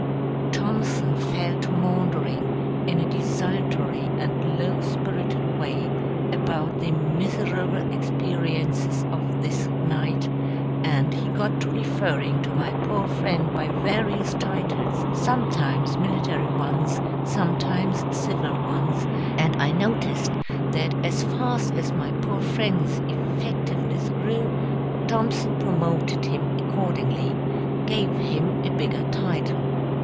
Thompson fell to maundering, in a desultory and low spirited way, about the miserable experiences of this night; and he got to referring to my poor friend by various titles, sometimes military ones, sometimes civil ones; and I noticed that as fast as my poor friend's effectiveness grew, Thompson promoted him accordingly, gave him a bigger title.